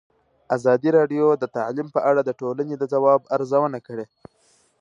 ازادي راډیو د تعلیم په اړه د ټولنې د ځواب ارزونه کړې.